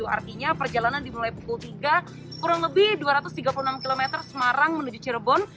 artinya perjalanan dimulai pukul tiga kurang lebih dua ratus tiga puluh enam km semarang menuju cirebon